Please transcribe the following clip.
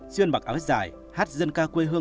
chuyên mặc áo dài hát dân ca quê hương